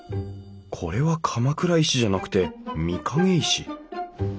これは鎌倉石じゃなくて御影石。